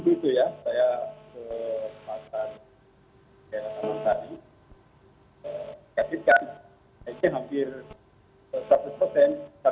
karena kemarin saya kebetulan juga ada atas ratifan di kantong warteg nusantara